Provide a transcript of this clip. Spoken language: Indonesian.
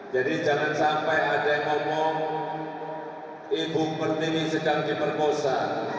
jadi jangan sampai ada yang ngomong ibu pertiwi sedang diperkosa